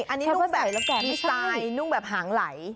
อันนี้นุ้งแบบพี่ชายนุ้งแบบหางไหล